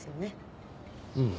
うん。